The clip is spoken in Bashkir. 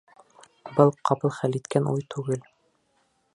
Был ҡапыл хәл иткән уй түгел.